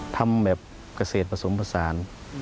ทำแบบเกษตรผสมผสาน